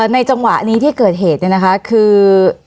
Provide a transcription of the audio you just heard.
ในจังหวะนี้ที่เกิดเหตุคือ